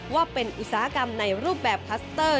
ว่าเป็นอุตสาหกรรมในรูปแบบคลัสเตอร์